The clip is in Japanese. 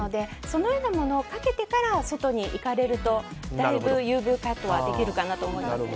そのようなものをかけてからお外に行かれるとだいぶＵＶカットはできるかなと思います。